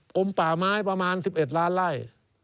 ลมป่าไม้ประมาณ๑๑ล้านไล่